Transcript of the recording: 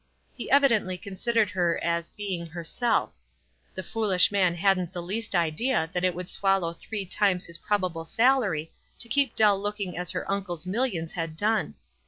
He evidently considered her as "being herself" The foolish man hadn't the least idea that it would swallow three times his probable salary to keep Dell looking as her uncle's millions had done.